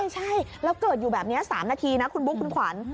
ใช่แล้วเกิดอยู่แบบนี้๓นาทีนะคุณบุ๊คคุณขวัญ